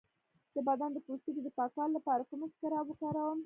د بدن د پوستکي د پاکولو لپاره کوم اسکراب وکاروم؟